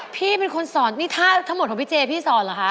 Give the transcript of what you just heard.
พี่เป็นคนสอนนี่ถ้าทั้งหมดของพี่เจพี่สอนเหรอคะ